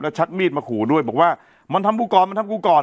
แล้วชัดมีดมาขู่ด้วยบอกว่ามันทำผู้กรมันทำผู้กร